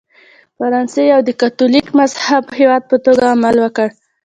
فرانسې د یوه کاتولیک مذهبه هېواد په توګه عمل وکړ.